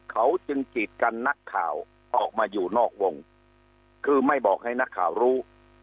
เขาจึงกีดกันนักข่าวออกมาอยู่นอกวงคือไม่บอกให้นักข่าวรู้